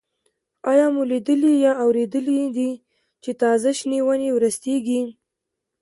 آیا مو لیدلي یا اورېدلي دي چې تازه شنې ونې ورستېږي؟